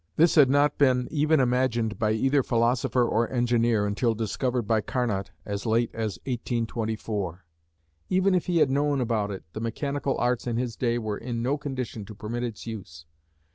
This had not been even imagined by either philosopher or engineer until discovered by Carnot as late as 1824. Even if he had known about it the mechanical arts in his day were in no condition to permit its use.